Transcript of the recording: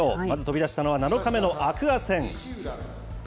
まず飛び出したのは、７日目の天空海戦。